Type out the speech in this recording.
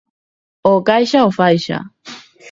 O caixa o faixa.